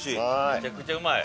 めちゃくちゃうまい。